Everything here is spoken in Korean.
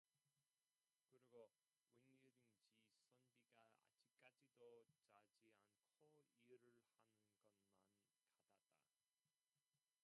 그리고 웬일인지 선비가 아직까지도 자지 않고 일을 하는 것만 같았다.